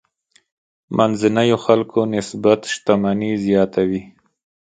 منځنيو خلکو نسبت شتمني زیاته وي.